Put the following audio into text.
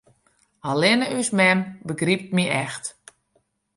Allinne ús mem begrypt my echt.